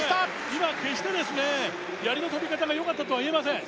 今決してですねやりの飛び方がよかったとは言えません